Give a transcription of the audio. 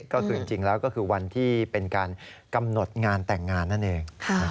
ก็คือจริงแล้วก็คือวันที่เป็นการกำหนดงานแต่งงานนั่นเอง